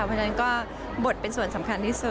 เพราะฉะนั้นก็บทเป็นส่วนสำคัญที่สุด